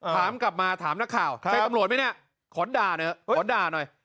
ถามกลับมาถามนักข่าวใช่ตำรวจไหมเนี่ยขอด่าเถอะขอด่าหน่อย